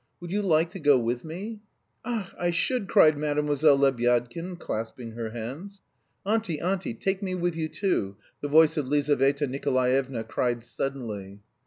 Would you like to go with me?" "Ach, I should!" cried Mlle. Lebyadkin, clasping her hands. "Auntie, auntie, take me with you too!" the voice of Lizaveta Nikolaevna cried suddenly.